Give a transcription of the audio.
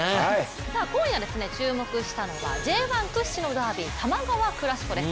今夜注目したのはＪ１屈指のダービー多摩川クラシコです。